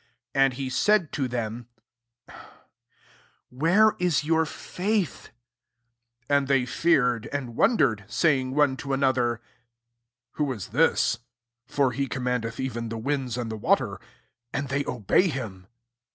25 And he said to them, " Where is your faith ?*' And they feared and wondered, saying one to another, •* Who is this ? for he commandeth even the winds and the water, and they obey him.